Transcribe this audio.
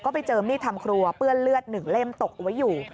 ก็ไปเจอมณีธรรมครัวเพื่อเลือดหนึ่งเล่มตกไว้อยู่